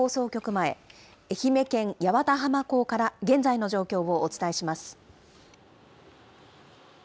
前、愛媛県八幡浜港から現在の状況をお伝えします。